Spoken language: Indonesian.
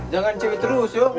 jangan cewek terus yuk